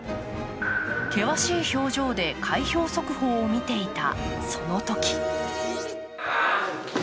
険しい表情で開票速報を見ていたそのとき。